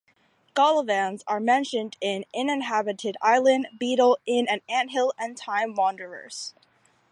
Golovans are mentioned in "Inhabited Island", "Beetle in an Anthill" and "The Time Wanderers".